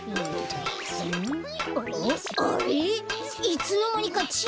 いつのまにかちぃ